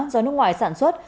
do nước ngoài sản xuất